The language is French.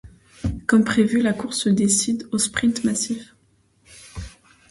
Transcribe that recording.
Comme prévu, la course se décide au sprint massif.